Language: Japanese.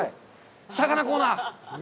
魚コーナー。